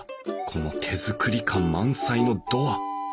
この手作り感満載のドア。